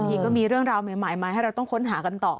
ทีก็มีเรื่องราวใหม่มาให้เราต้องค้นหากันต่อ